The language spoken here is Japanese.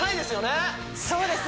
そうです！